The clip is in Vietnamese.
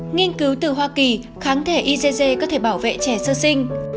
nghiên cứu từ hoa kỳ kháng thể icc có thể bảo vệ trẻ sơ sinh